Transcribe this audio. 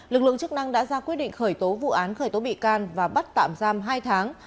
lực lượng chức năng đã ra quyết định khởi tố vụ án khởi tố bị can và bắt tạm giam hai tháng